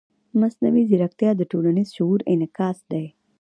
مصنوعي ځیرکتیا د ټولنیز شعور انعکاس دی.